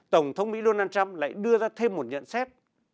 tổng thống mỹ donald trump lại đưa ra thêm một nhận xét